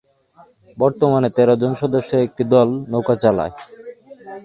বর্তমানে তেরো জন সদস্যের একটি দল নৌকা চালায়।